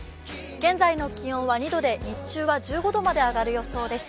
現在の気温は２度で日中は１５度まで上がる予想です。